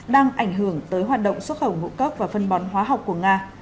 đang ảnh hưởng tới hoạt động xuất khẩu ngũ cốc và phân bón hóa học của nga